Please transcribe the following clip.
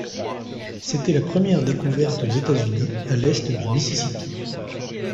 C'était la première découverte aux États-Unis à l'est du Mississippi.